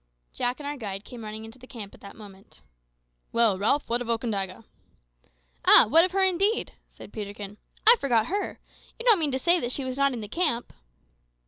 Jack and our guide came running into the camp at that moment. "Well, Ralph, what of Okandaga?" "Ah! what of her indeed?" said Peterkin. "I forgot her. You don't moan to say she was not in the camp?"